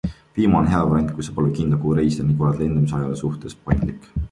Viimane on hea variant kui sa pole veel kindel, kuhu reisida ning oled lendamise aja suhtes paindlik.